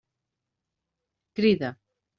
Crida.